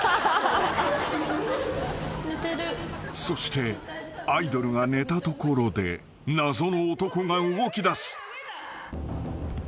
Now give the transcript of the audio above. ［そしてアイドルが寝たところで謎の男が動きだす］